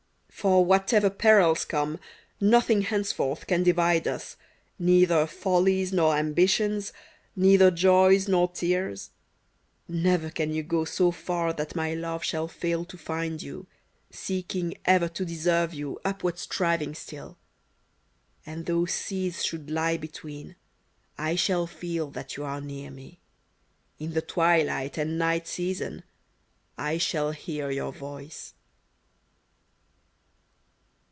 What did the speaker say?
For whatever perils come, Nothing henceforth can divide us ; Neither follies nor ambitions — Neither joys nor tears : 14 BETROTHAL Never can you go so far ^ That my love shall fail to find you ; Seeking ever to deserve you, Upward striving still ; And though seas should lie between, I shall feel that you are near me : In the twilight and night season I shall hear your voice.